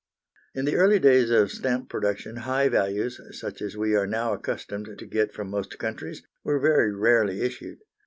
In the early days of stamp production high values, such as we are now accustomed to get from most countries, were very rarely issued.